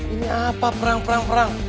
ini apa perang perang perang